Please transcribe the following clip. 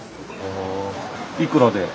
いくらで？